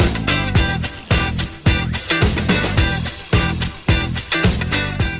สวัสดีครับ